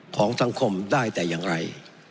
ของสังคมได้แต่อย่างไร